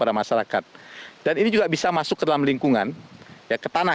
dan ini juga bisa masuk ke dalam lingkungan ya ke tanah